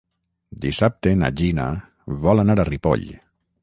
Dissabte na Gina vol anar a Ripoll.